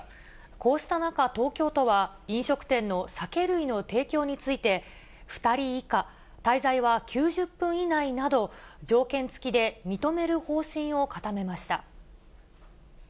こうした中、東京都は飲食店の酒類の提供について、２人以下、滞在は９０分以内など、条件付きで認める方針を固めました。